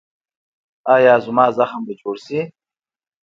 ایا زما زخم به جوړ شي؟